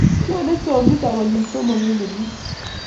nyonii tom yuto konyil somok eng kenyit